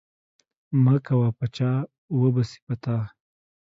مه کوه په چا وبه سي په تا.